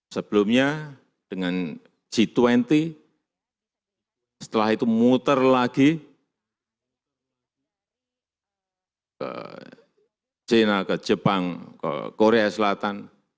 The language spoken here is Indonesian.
sebelumnya dengan g dua puluh setelah itu muter lagi ke china ke jepang ke korea selatan